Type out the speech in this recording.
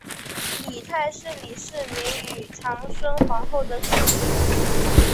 李泰是李世民与长孙皇后的次子。